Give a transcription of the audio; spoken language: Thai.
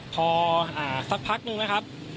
พอสักพักนึงนะครับ